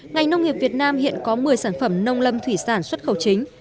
ngành nông nghiệp việt nam hiện có một mươi sản phẩm nông lâm thủy sản xuất khẩu chính